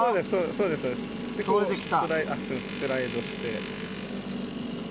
スライドして。